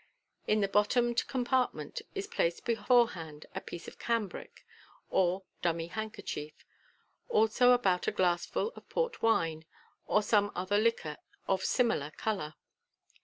In the bottomed compartment is placed beforehand a piece of cambric, or dummy handkerchief, also about a glassful of port wine, or some other liquor of similar colour.